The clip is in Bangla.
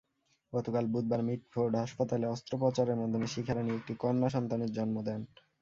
গতকাল বুধবার মিটফোর্ড হাসপাতালে অস্ত্রোপচারের মাধ্যমে শিখা রানী একটি কন্যাসন্তানের জন্ম দেন।